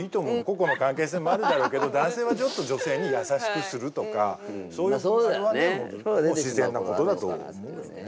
個々の関係性もあるだろうけど男性はちょっと女性に優しくするとかそういう振る舞いはね自然なことだと思うよね。